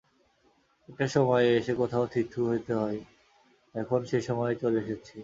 একটা সময়ে এসে কোথাও থিতু হতে হয়, এখন সেই সময়ে চলে এসেছি।